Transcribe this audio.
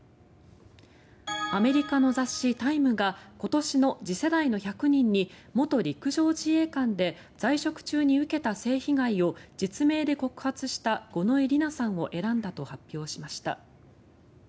アメリカの雑誌「タイム」が今年の次世代の１００人に元陸上自衛官で在職中に受けた性被害を実名で告発した五ノ井里奈さんを選んだと発表しました。